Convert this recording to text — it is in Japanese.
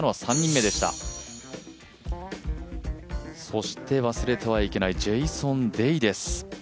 そして忘れてはいけないジェイソン・デイです。